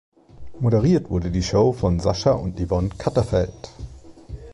Moderiert wurde die Show von Sasha und Yvonne Catterfeld.